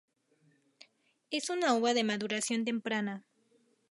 Es una uva de maduración temprana.